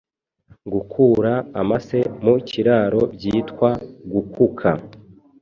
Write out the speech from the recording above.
Gukura amase mu kiraro byitwa Gukuka